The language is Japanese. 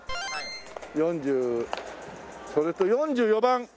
４０それと４４番。